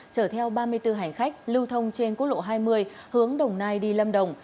chở theo ba mươi bốn hành khách lưu thông trên quốc lộ hai mươi hướng đồng nai đi lâm đồng